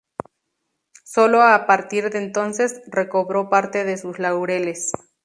Sólo a partir de entonces recobró parte de sus laureles.